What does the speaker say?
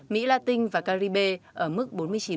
mỹ latin và caribe ở mức bốn mươi chín